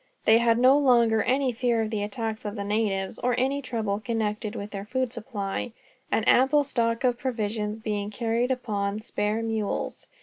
They had no longer any fear of the attacks of the natives, or any trouble connected with their food supply; an ample stock of provisions being carried upon spare mules.